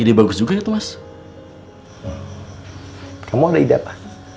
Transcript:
ide bagus juga itu mas kamu ada ide apa